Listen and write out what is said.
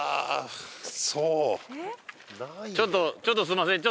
ちょっとちょっとすみません。